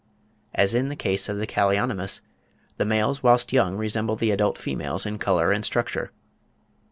As in the case of the Callionymus, the males whilst young resemble the adult females in colour and structure.